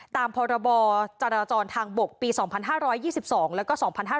ตามพรบจราจรทางบกปี๒๕๒๒แล้วก็๒๕๕๙